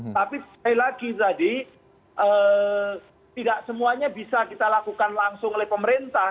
tapi sekali lagi tadi tidak semuanya bisa kita lakukan langsung oleh pemerintah